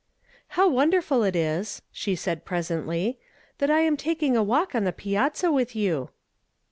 " How wonderful it is," she said presently, "that I am taking a walk on the piazza with you